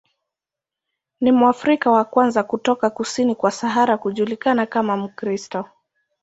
Ni Mwafrika wa kwanza kutoka kusini kwa Sahara kujulikana kama Mkristo.